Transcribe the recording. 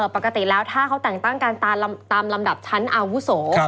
ปกติแล้วถ้าเขาแต่งตั้งการตามลำดับชั้นอาวุโส